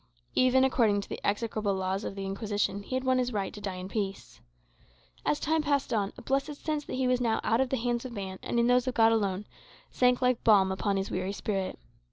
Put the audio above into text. Even according to the execrable laws of the Inquisition, he had won his right to die in peace. As time passed on, a blessed sense that he was now out of the hands of man, and in those of God alone, sank like balm upon his weary spirit.